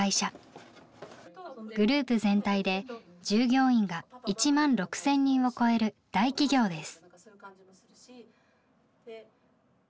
グループ全体で従業員が１万６，０００人を超える大企業です。